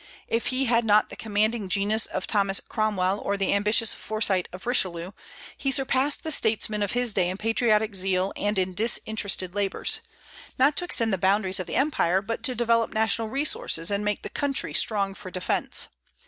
If he had not the commanding genius of Thomas Cromwell or the ambitious foresight of Richelieu, he surpassed the statesmen of his day in patriotic zeal and in disinterested labors, not to extend the boundaries of the empire, but to develop national resources and make the country strong for defence.